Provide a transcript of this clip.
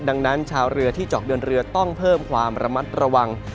ดังนั้นชาวเรือที่เจาะเดินเรือต้องเพิ่มความระมัดระวัง